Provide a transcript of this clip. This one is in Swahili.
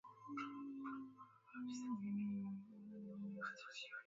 aa anasema aa ama ni sababu moja wapo ambayo inachangia matokeo mabaya